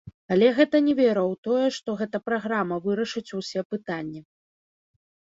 Але гэта не вера ў тое, што гэта праграма вырашыць усе пытанні.